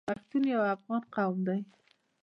پښتون یو افغان قوم دی.